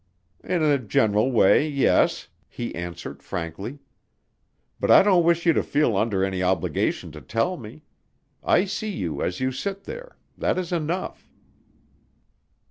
"In a general way yes," he answered frankly. "But I don't wish you to feel under any obligation to tell me. I see you as you sit there, that is enough."